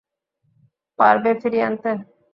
পারবে ফিরিয়ে আনতে?